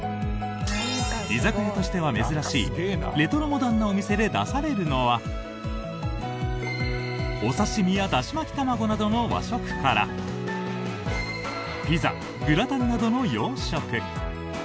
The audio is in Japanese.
居酒屋としては珍しいレトロモダンなお店で出されるのはお刺し身やだし巻き卵などの和食からピザ、グラタンなどの洋食。